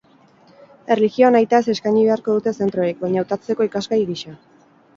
Erlijioa nahitaez eskaini beharko dute zentroek, baina hautazko ikasgai gisa.